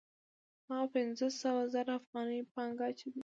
هغه پنځه سوه زره افغانۍ پانګه اچوي